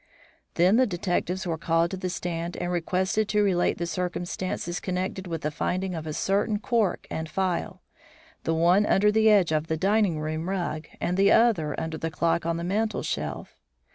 Then the detectives were called to the stand and requested to relate the circumstances connected with the finding of a certain cork and phial, the one under the edge of the dining room rug, and the other under the clock on the mantel shelf.